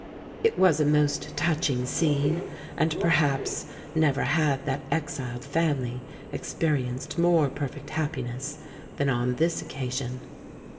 It was a most touching scene; and, perhaps, never had that exiled family experienced more perfect happiness than on this occasion.